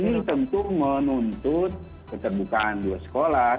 dan ini tentu menuntut kekerbukaan dua sekolah